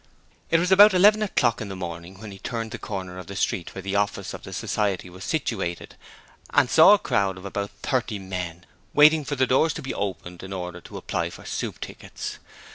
It was about eleven o'clock in the morning when he turned the corner of the street where the office of the society was situated and saw a crowd of about thirty men waiting for the doors to be opened in order to apply for soup tickets.